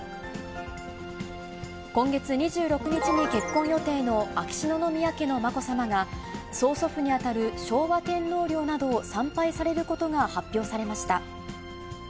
今月２６日に結婚予定の秋篠宮家のまこさまが、曽祖父に当たる昭和天皇陵などを参拝されることが発表されました。